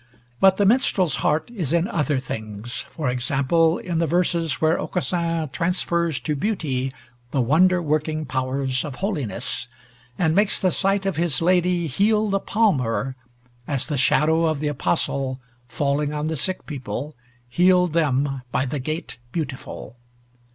But the minstrels heart is in other things, for example, in the verses where Aucassin transfers to Beauty the wonder working powers of Holiness, and makes the sight of his lady heal the palmer, as the shadow of the Apostle, falling on the sick people, healed them by the Gate Beautiful.